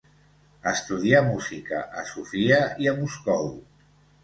Estudià música a Sofia i a Moscou.